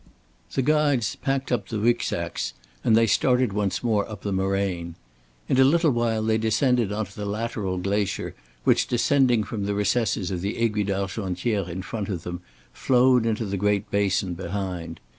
The guides packed up the Rücksacks, and they started once more up the moraine. In a little while they descended on to the lateral glacier which descending from the recesses of the Aiguille d'Argentière in front of them flowed into the great basin behind.